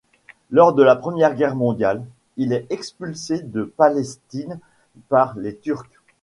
Lors de la Première Guerre mondiale, il est expulsé de Palestine par les Turcs.